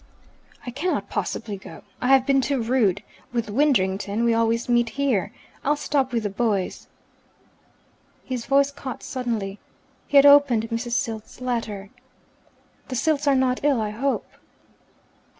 "I cannot possibly go. I have been too rude; with Widdrington we always meet here. I'll stop with the boys " His voice caught suddenly. He had opened Mrs. Silt's letter. "The Silts are not ill, I hope?"